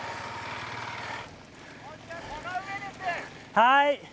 はい！